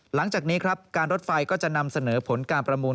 หลังจากนี้ครับการรถไฟก็จะนำเสนอผลการประมูล